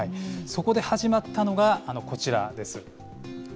そこで始まったのが、こちらです。